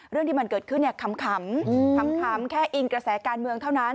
เรื่องที่มันเกิดขึ้นขำขำแค่อิงกระแสการเมืองเท่านั้น